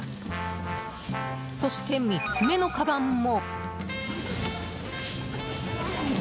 そして、３つ目のかばんも。